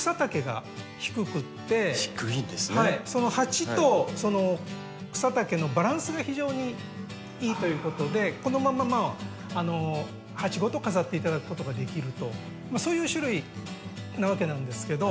その鉢とその草丈のバランスが非常にいいということでこのまま鉢ごと飾って頂くことができるとそういう種類なわけなんですけど。